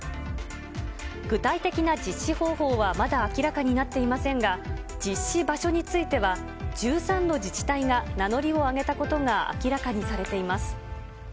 具体的な実施方法はまだ明らかになっていませんが、実施場所については１３の自治体が名乗りを上げたことが明らかにされています。